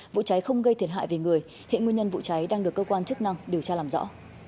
vụ cháy không gây thiệt hại về người hiện nguyên nhân vụ cháy đang được cơ quan chức năng điều tra làm rõ